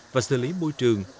và xử lý môi trường